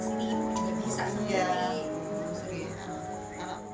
untuk melatih alat gerak syufah